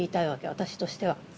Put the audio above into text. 私としては。